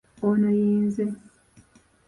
Ono ye nze.